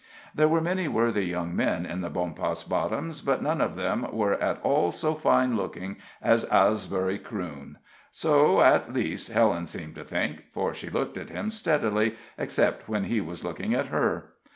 There were many worthy young men in the Bonpas Bottoms, but none of them were at all so fine looking as Asbury Crewne; so, at least, Helen seemed to think, for she looked at him steadily, except when he was looking at her.